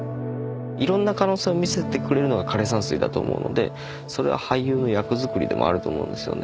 いろんな可能性を見せてくれるのが枯れ山水だと思うのでそれは俳優の役作りでもあると思うんですよね。